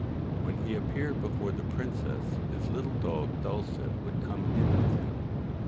' When he appeared before the princess, his little dog Dulcet would come in with him.